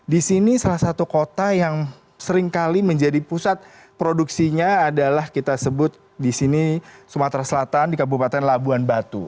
di sini salah satu kota yang seringkali menjadi pusat produksinya adalah kita sebut di sini sumatera selatan di kabupaten labuan batu